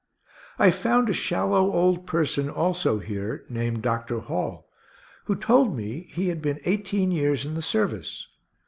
I found a shallow old person also here named Dr. Hall, who told me he had been eighteen years in the service.